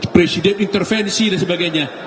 presiden intervensi dan sebagainya